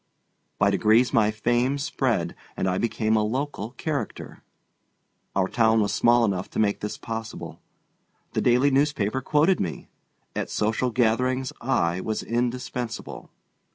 By degrees my fame spread, and I became a local "character." Our town was small enough to make this possible. The daily newspaper quoted me. At social gatherings I was indispensable.